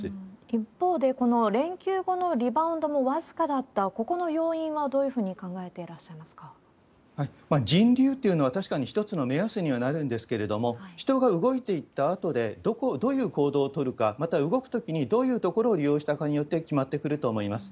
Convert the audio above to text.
一方で、この連休後のリバウンドも僅かだった、ここの要因はどういうふう人流っていうのは、確かに一つの目安にはなるんですけれども、人が動いていったあとで、どこをどういう行動を取るか、また動くときにどういうところを利用したかによって決まってくると思います。